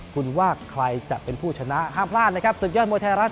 คุณว่าใครจะเป็นผู้ชนะห้ามพลาดนะครับศึกยอดมวยไทยรัฐ